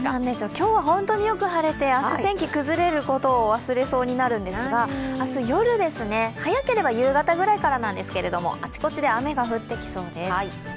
今日は本当によく晴れて、明日、お天気崩れることを忘れそうですが明日夜、早ければ夕方くらいからあちこちで雨が降ってきそうです。